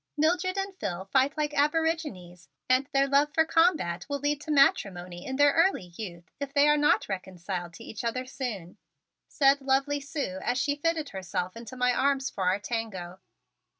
"Mildred and Phil fight like aborigines, and their love for combat will lead to matrimony in their early youth if they are not reconciled to each other soon," said lovely Sue as she fitted herself into my arms for our tango.